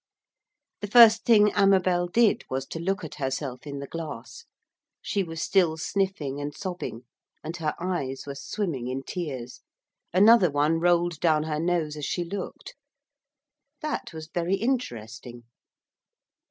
The first thing Amabel did was to look at herself in the glass. She was still sniffing and sobbing, and her eyes were swimming in tears, another one rolled down her nose as she looked that was very interesting.